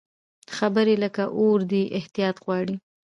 خبرې لکه اور دي، احتیاط غواړي